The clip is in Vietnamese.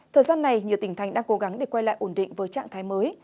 thời gian này nhiều tỉnh thành đang cố gắng để quay lại ổn định với trạng thái mới